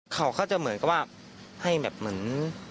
เขาก็จะเหมือนกับว่าให้แบบเหมือน